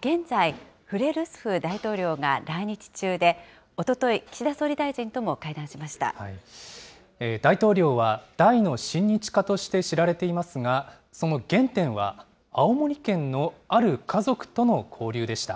現在、フレルスフ大統領が来日中で、おととい、岸田総理大臣とも会談し大統領は、大の親日家として知られていますが、その原点は青森県のある家族との交流でした。